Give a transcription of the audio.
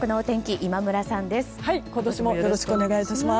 今年もよろしくお願いいたします。